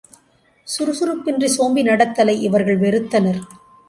சுறுசுறுப்பின்றிச் சோம்பி நடத்தலை இவர்கள் வெறுத்தனர்.